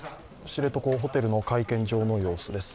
知床、ホテルの会見場の様子です。